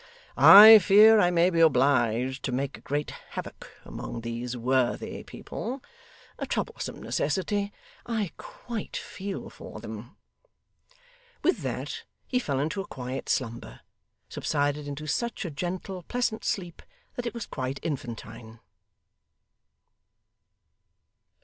I fear I may be obliged to make great havoc among these worthy people. A troublesome necessity! I quite feel for them.' With that he fell into a quiet slumber: subsided into such a gentle, pleasant sleep, that it was quite infantine.